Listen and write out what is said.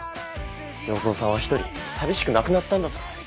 要造さんは一人寂しく亡くなったんだぞ。